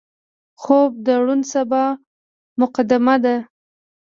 خوب د روڼ سبا مقدمه ده